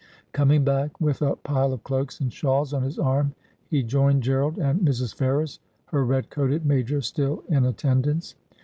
Coming back with a pile of cloaks and shawls on his arm, he joined Gerald and Mrs. Ferrers, her red coated major still in attend ance.